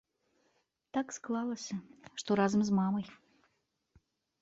Так склалася, што разам з мамай.